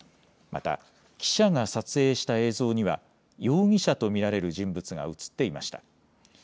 また記者が撮影した映像には容疑者と見られる人物が映っていました。